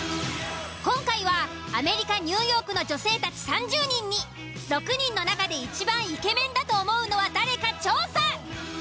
今回はアメリカニューヨークの女性たち３０人に６人の中で一番イケメンだと思うのは誰か調査！